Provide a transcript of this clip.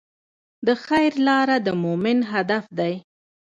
د خیر لاره د مؤمن هدف دی.